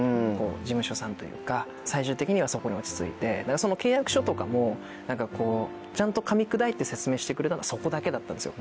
最終的にはそこに落ち着いてその契約書とかもちゃんとかみ砕いて説明してくれたのはそこだけだったんですよ。